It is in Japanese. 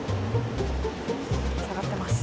下がってます。